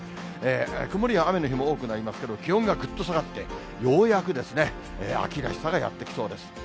曇りや雨の日も多くなりますけど、気温がぐっと下がって、ようやくですね、秋らしさがやってきそうです。